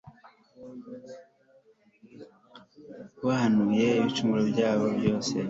ubahamye ibicumuro byabo byose